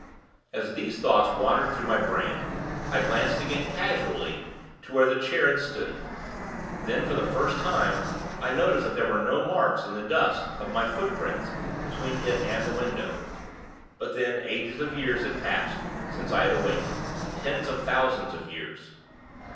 As these thoughts wandered through my brain, I glanced again, casually, to where the chair had stood. Then, for the first time, I noticed that there were no marks, in the dust, of my footprints, between it and the window. But then, ages of years had passed, since I had awaked tens of thousands of years!